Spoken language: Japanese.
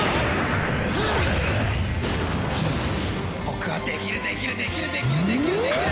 僕はできるできるできるできるできるできる！